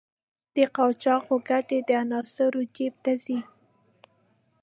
د قاچاقو ګټې د عناصرو جېب ته ځي.